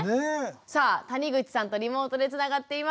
さあ谷口さんとリモートでつながっています。